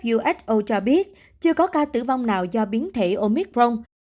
uso cho biết chưa có ca tử vong nào do biến thể omicron